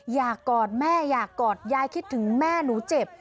กอดแม่อยากกอดยายคิดถึงแม่หนูเจ็บ